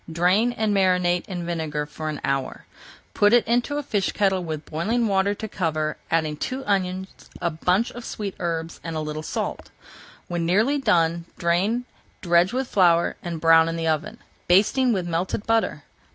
Drain and marinate in vinegar for an hour. Put it into a fish kettle with boiling water to cover, adding two onions, a bunch of sweet herbs, and a little salt. When nearly done drain, dredge with flour, and brown in the oven, basting with melted butter.